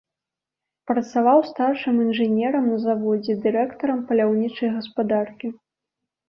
Працаваў старшым інжынерам на заводзе, дырэктарам паляўнічай гаспадаркі.